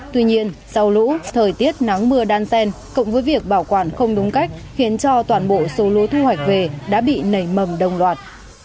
tuy nhiên xào lũ thời tiết nắng mưa đan sen cộng với việc bảo quản không đúng cách khiến cho toàn bộ xô lúa thu hoạch về đã bị nảy mầm đông loạt